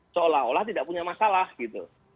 seolah olah tidak punya masalah gitu